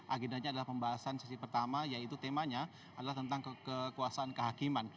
agendanya adalah pembahasan sesi pertama yaitu temanya adalah tentang kekuasaan kehakiman